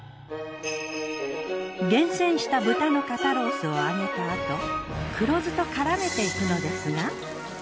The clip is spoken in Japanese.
厳選した豚の肩ロースを揚げたあと黒醋と絡めていくのですが。